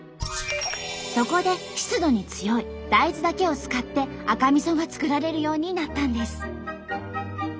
そこで湿度に強い大豆だけを使って赤みそが作られるようになったんです。